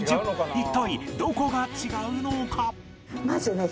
一体どこが違うのか？